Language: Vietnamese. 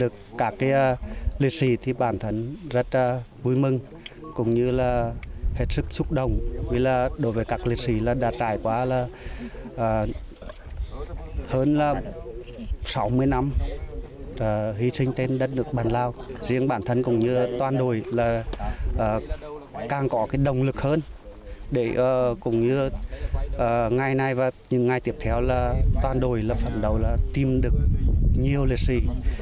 càng có cái động lực hơn để cùng như ngày nay và những ngày tiếp theo là toàn đổi là phần đầu là tìm được nhiều liệt sĩ